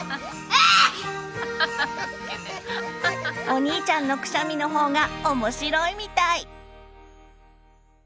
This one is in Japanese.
お兄ちゃんのくしゃみの方が面白いみたい。